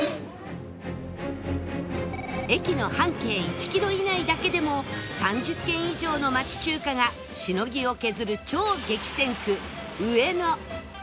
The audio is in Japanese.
駅の半径１キロ以内だけでも３０軒以上の町中華がしのぎを削る超激戦区上野